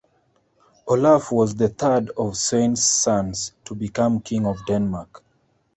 Olaf was the third of Sweyn's sons to become king of Denmark.